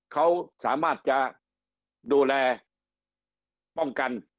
เขาสามารถจะดูแลป้องกัน